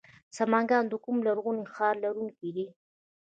سمنګان د کوم لرغوني ښار لرونکی دی؟